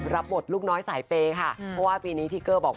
รับหมดลูกน้อยสายเพขน์ของเกอร์